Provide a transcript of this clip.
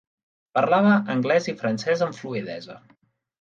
Parlava anglès i francès amb fluïdesa.